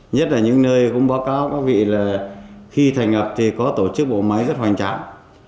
nhất là những nơi cũng báo cáo các vị là khi thành lập thì có tổ chức bộ máy rất hoành tráng